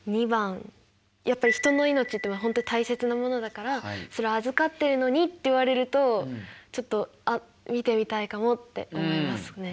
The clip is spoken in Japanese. やっぱり人の命っていうのは本当大切なものだからそれ預かってるのにって言われるとちょっとあっ見てみたいかもって思いますね。